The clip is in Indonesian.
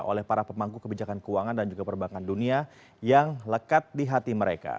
oleh para pemangku kebijakan keuangan dan juga perbankan dunia yang lekat di hati mereka